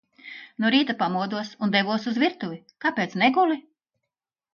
No rīta pamodos un devos uz virtuvi. Kāpēc neguli?